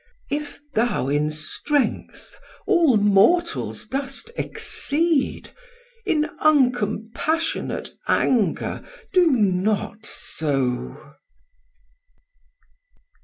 If thou in strength all mortals dost exceed, In uncompassionate anger do not so.